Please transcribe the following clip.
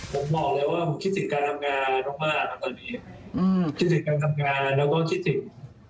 ผมบอกเลยว่าผมคิดถึงการทำงานมากมากครับตอนนี้คิดถึงการทำงานแล้วก็คิดถึง